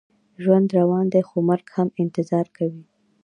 ژوند روان دی، خو مرګ هم انتظار کوي.